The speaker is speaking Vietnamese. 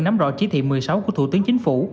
nắm rõ chỉ thị một mươi sáu của thủ tướng chính phủ